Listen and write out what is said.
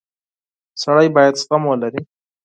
• سړی باید زغم ولري.